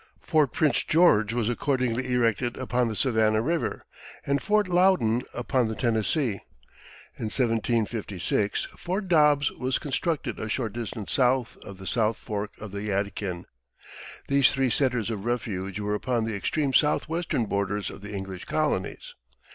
Fort Prince George was accordingly erected upon the Savannah River, and Fort Loudon upon the Tennessee. In 1756 Fort Dobbs was constructed a short distance south of the South Fork of the Yadkin. These three centers of refuge were upon the extreme southwestern borders of the English colonies.